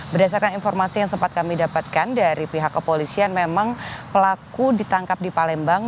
berdasarkan informasi yang sempat kami dapatkan dari pihak kepolisian memang pelaku ditangkap di palembang